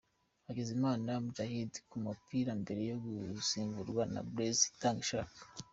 Hakizimana Muhadjili ku mupira mbere yo gusimburwa na Blaise Itangishaka .